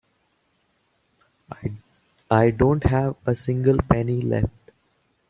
I don't have a single penny left.